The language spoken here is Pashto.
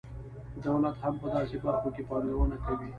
دولت هم په داسې برخو کې پانګونه کوي.